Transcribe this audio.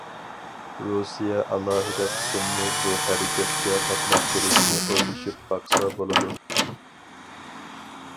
رۇسىيە ئالاھىدە قىسىمنى بۇ ھەرىكەتكە قاتناشتۇرۇشنى ئويلىشىپ باقسا بولىدۇ.